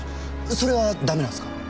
それはダメなんですか？